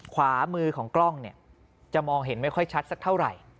ขวามือของกล้องเนี่ยจะมองเห็นไม่ค่อยชัดสักเท่าไหร่